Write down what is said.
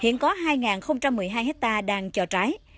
hiện có hai một mươi hai hectare đang cho trái